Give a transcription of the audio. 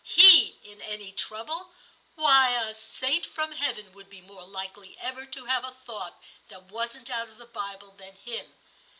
He in any trouble ; why, a saint from heaven would be more likely ever to have a thought that wasn't out of the Bible than him.